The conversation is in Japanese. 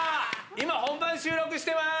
今、本番収録してます。